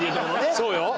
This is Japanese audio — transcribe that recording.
そうよ。